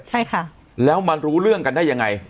ใช่ค่ะแล้วมารู้เรื่องกันได้ยังไง